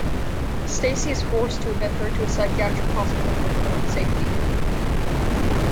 Stacey is forced to admit her to a psychiatric hospital for her own safety.